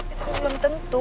itu belum tentu